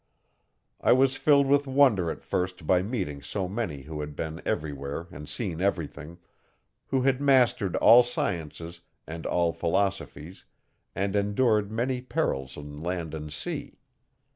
I was filled with wonder at first by meeting so many who had been everywhere and seen everything, who had mastered all sciences and all philosophies and endured many perils on land and sea.